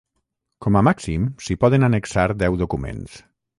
Com a màxim s'hi poden annexar deu documents.